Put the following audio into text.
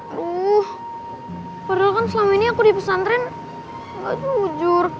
aduh padahal selama ini aku di pesantren nggak jujur